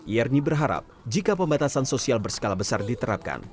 yerni berharap jika pembatasan sosial berskala besar diterapkan